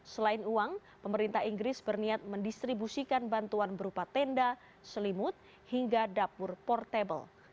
selain uang pemerintah inggris berniat mendistribusikan bantuan berupa tenda selimut hingga dapur portable